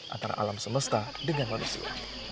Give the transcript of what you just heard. antara alam semesta dengan manusia